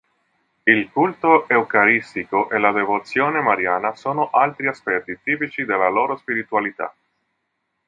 Il culto eucaristico e la devozione mariana sono altri aspetti tipici della loro spiritualità.